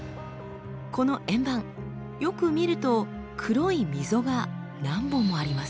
この円盤よく見ると黒い溝が何本もあります。